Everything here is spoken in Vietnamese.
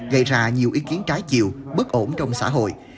gây ra nhiều ý kiến trái chiều bất ổn trong xã hội